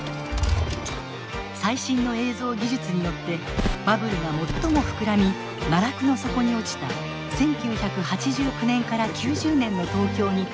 最新の映像技術によってバブルが最も膨らみ奈落の底に落ちた１９８９年から９０年の東京にタイムスリップ